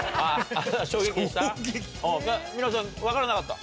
皆さん分からなかった？